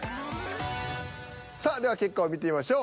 さあでは結果を見てみましょう。